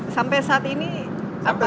sampai saat ini apa